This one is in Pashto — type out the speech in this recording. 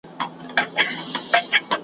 یو ناڅاپه غشی ورغی له مځکي .